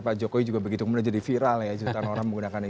pak jokowi juga begitu mula jadi viral ya